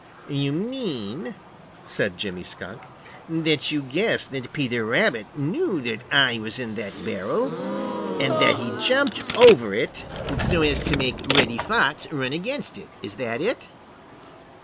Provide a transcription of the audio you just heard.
"You mean," said Jimmy Skunk, "that you guess that Peter Rabbit knew that I was in that barrel, and that he jumped over it so as to make Reddy Fox run against it. Is that it?"